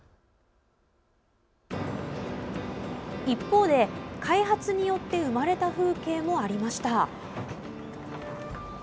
一方で、開発によって生まれた風景もありました。